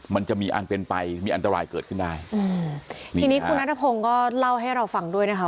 มันจะมีอันเป็นไปมีอันตรายเกิดขึ้นได้อืมทีนี้คุณนัทพงศ์ก็เล่าให้เราฟังด้วยนะคะ